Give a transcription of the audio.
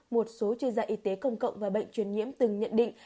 một số chuyên gia y tế công cộng và bệnh truyền nhiễm từng nhận định